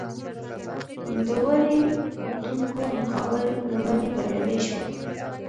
د وړۍ اوبدونکو مقابل لوری بریالي شول.